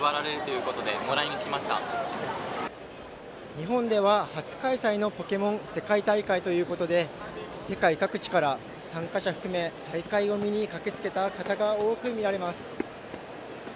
日本では初開催のポケモン世界大会ということで世界各地から参加者を含め大会を見に駆け付けた方が多く見られます。